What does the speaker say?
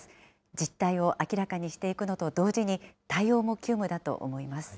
実態を明らかにしていくのと同時に、対応も急務だと思います。